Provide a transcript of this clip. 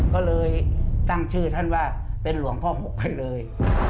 ก็เลยตั้งชื่อท่านว่าเป็นหลวงพ่อ๖ไปเลย